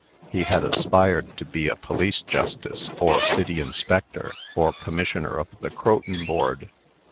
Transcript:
He had aspired to be a police justice, or city inspector, or commissioner of the Croton Board.